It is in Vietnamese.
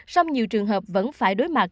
xong nhiều trường hợp vẫn phải đối mặt